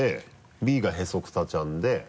Ｂがへそクサちゃんで。